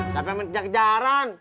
siapa yang main kejar kejaran